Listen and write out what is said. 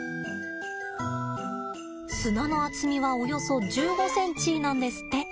砂の厚みはおよそ１５ｃｍなんですって。